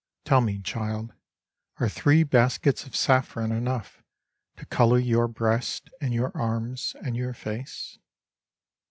Tell me, child, are three baskets of saffron enough To colour your breasts and your arms and your face